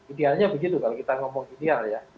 idealnya begitu kalau kita ngomong ideal ya